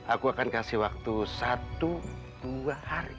aku akan kasih waktu satu dua hari